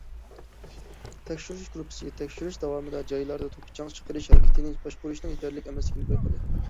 تەكشۈرۈش گۇرۇپپىسى تەكشۈرۈش داۋامىدا جايلاردا توپا چاڭ چىقىرىش ھەرىكىتىنى باشقۇرۇشنىڭ يېتەرلىك ئەمەسلىكىنى بايقىدى.